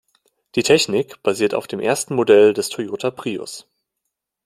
Die Technik basiert auf dem ersten Modell des Toyota Prius.